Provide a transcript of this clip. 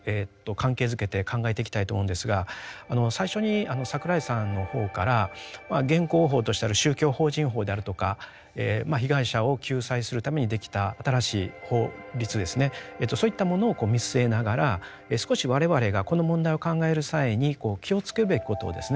関係づけて考えていきたいと思うんですが最初に櫻井さんの方から現行法としてある宗教法人法であるとか被害者を救済するためにできた新しい法律ですねそういったものを見据えながら少し我々がこの問題を考える際に気をつけるべきことをですね